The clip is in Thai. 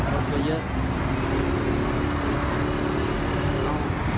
รถจะเยอะ